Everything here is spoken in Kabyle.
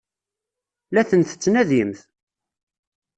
La ten-tettnadimt?